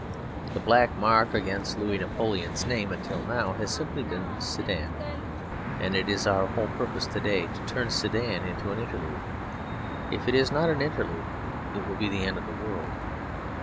The black mark against Louis Napoleon's name until now, has simply been Sedan; and it is our whole purpose to day to turn Sedan into an interlude. If it is not an interlude, it will be the end of the world.